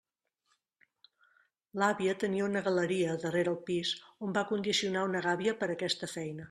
L'àvia tenia una galeria, darrere el pis, on va condicionar una gàbia per a aquesta feina.